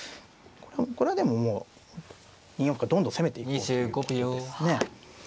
これはでももう２四歩からどんどん攻めていこうということですね。